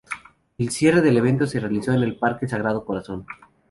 El cierre del evento se realizó en el parque Sagrado Corazón.